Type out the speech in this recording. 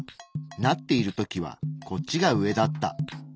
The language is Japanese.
なっている時はこっちが上だった。